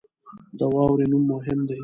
د واورې نوم مهم دی.